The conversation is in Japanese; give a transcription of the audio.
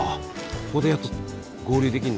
ここでやっと合流できるんだ。